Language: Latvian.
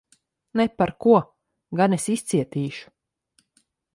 Ne par ko! Gan es izcietīšu.